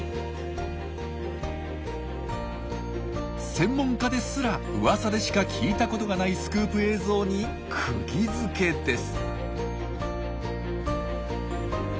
専門家ですらうわさでしか聞いたことがないスクープ映像にくぎづけです。